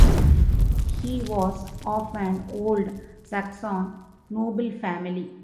He was of an old Saxon noble family.